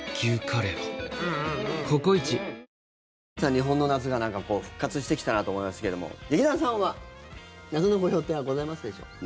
日本の夏が復活してきたなと思いますけども劇団さんは、夏のご予定はございますでしょうか？